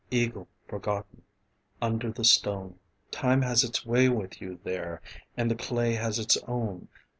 eagle forgotten ... under the stone. Time has its way with you there, and the clay has its own.